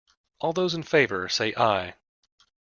All those in favour, say Aye.